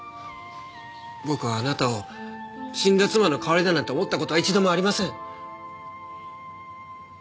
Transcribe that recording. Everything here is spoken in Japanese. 僕はあなたを死んだ妻の代わりだなんて思った事は一度もありません！